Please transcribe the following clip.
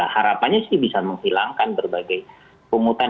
harapannya sih bisa menghilangkan berbagai pungutan